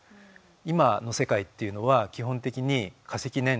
今の世界っていうのは基本的に化石燃料ですね。